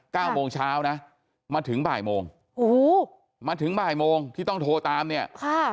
เก้าโมงเช้านะมาถึงบ่ายโมงโอ้โหมาถึงบ่ายโมงที่ต้องโทรตามเนี่ยค่ะ